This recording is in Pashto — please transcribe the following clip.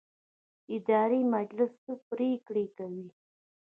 اداري مجلس څه پریکړې کوي؟